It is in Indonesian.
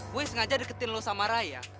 boy sengaja deketin lo sama raya